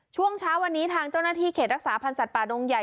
ช่วงเช้าวันนี้ทางเจ้าหน้าที่เขตรักษาพันธ์สัตว์ป่าดงใหญ่